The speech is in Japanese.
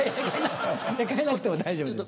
変えなくても大丈夫です。